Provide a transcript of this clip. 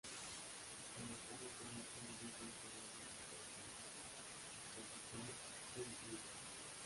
Abarcaba todo el sur desde el Ródano hasta el Atlántico, con capital en Toulouse.